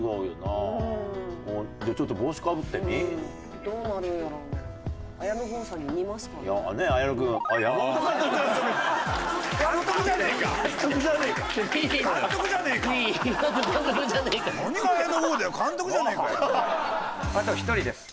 あと１人です